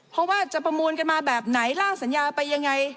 เพราะว่าจะประมูลกันมาแบบไหนล่างสัญญาไปยังไง